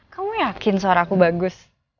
kamu yakin suaraku bagus